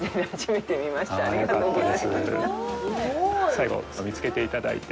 最後、見つけていただいて。